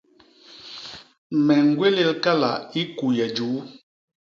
Me ñgwélél kala i kuye juu.